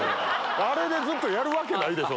あれでずっとやるわけないでしょ。